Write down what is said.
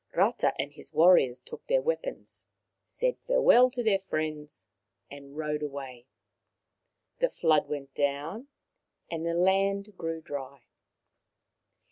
Rata and his warriors took their weapons, said farewell to their friends, and rowed away. The flood went down and the land grew dry.